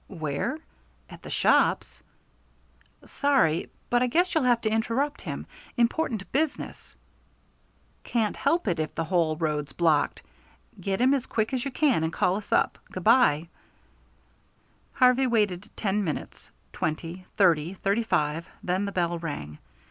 "Where? At the shops?" "Sorry, but I guess you'll have to interrupt him. Important business." "Can't help it if the whole road's blocked. Get him as quick as you can and call us up. Good by." Harvey waited ten minutes, twenty, thirty, thirty five then the bell rang.